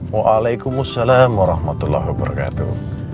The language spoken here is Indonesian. waalaikumsalam warahmatullahi wabarakatuh